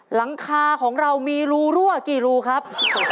หลังคาของเรามีรูรั่วกี่รูครับ